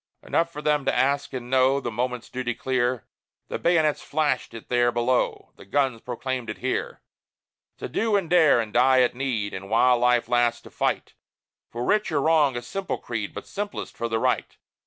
Enough for them to ask and know The moment's duty clear The bayonets flashed it there below, The guns proclaimed it here: To do and dare, and die at need, But while life lasts, to fight For right or wrong a simple creed, But simplest for the right.